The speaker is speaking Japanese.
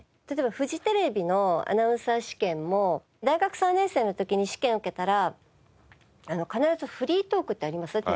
例えばフジテレビのアナウンサー試験も大学３年生の時に試験受けたら必ずフリートークってあります？